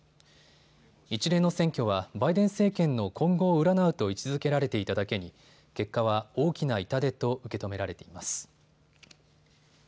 一連の選挙はバイデン政権の今後を占うと位置づけられていただけに結果は大きな痛手と受け止められています。